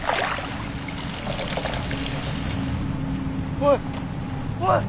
おいおい！